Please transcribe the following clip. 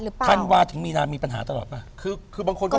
หรือเท่าที่ประมาณทานวาจนถึงเมีนา